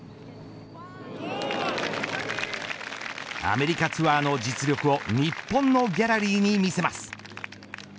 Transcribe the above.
アメリカツアーの実力を日本のギャラリーに見せます。